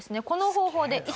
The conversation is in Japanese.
この方法で。